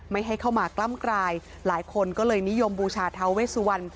ไม่ให้เข้ามากล้ำกลายหลายคนก็เลยนิยมบูชาทาเวสุวรรณ